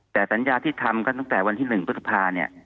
แต่สัญญาที่ทำก็ตั้งแต่วันที่๑พฤษภาเนี่ย